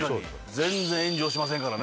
全然、炎上しませんからね。